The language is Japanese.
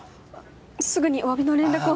すぐにお詫びの連絡を。